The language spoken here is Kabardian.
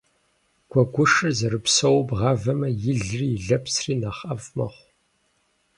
Гуэгушыр зэрыпсоуэ бгъавэмэ, илри и лэпсри нэхъ ӏэфӏ мэхъу.